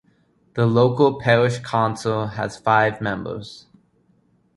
The local Parish Council has five members.